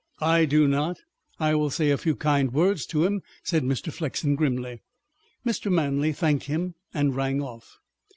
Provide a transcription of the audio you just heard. "I do not. I will say a few kind words to him," said Mr. Flexen grimly. Mr. Manley thanked him and rang off.